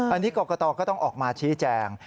อันนี้กรกตก็ต้องออกมาชี้แจง